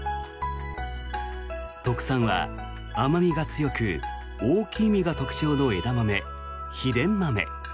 特産は甘味が強く大きい実が特徴の枝豆、秘伝豆。